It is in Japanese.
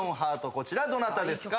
こちらどなたですか？